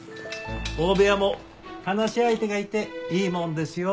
大部屋も話し相手がいていいもんですよ。